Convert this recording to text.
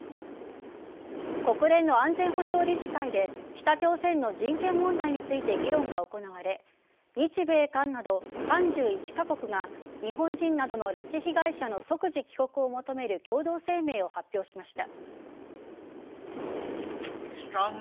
国連の安全保障理事会で北朝鮮の人権問題について議論が行われ日米韓など３１カ国が日本人などの拉致被害者の即時帰国を求める共同声明を発表しました。